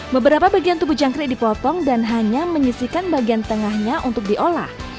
beberapa bagian tubuh jangkrik dipotong dan hanya menyisikan bagian tengahnya untuk diolah